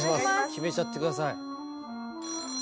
決めちゃってください